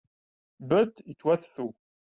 But it was so.